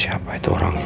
siapa itu orangnya